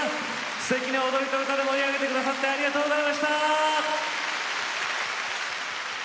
すてきな踊りと歌で盛り上げて下さってありがとうございました！